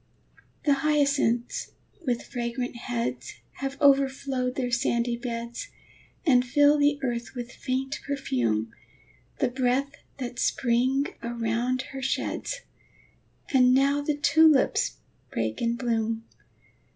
The hyacinths, with fragrant heads, Have overflowed their sandy beds, And fill the earth with faint perfume, The breath that Spring around her sheds. And now the tulips break in bloom!